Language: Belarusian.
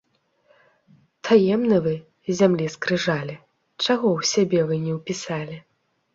Таемны вы, зямлі скрыжалі! Чаго ў сябе вы не ўпісалі!